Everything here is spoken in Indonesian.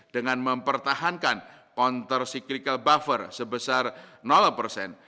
dengan mempertahankan counter cyclical buffer sebesar persen